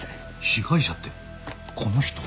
被害者ってこの人。